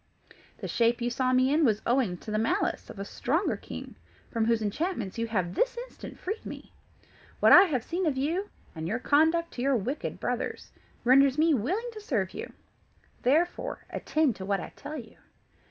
The shape you saw me in was owing to the malice of a stronger king, from whose enchantments you have this instant freed me. What I have seen of you, and your conduct to your wicked brothers, renders me willing to serve you; therefore, attend to what I tell you.